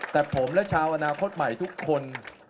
แต่ผมและชาวอนาคตใหม่ทุกคน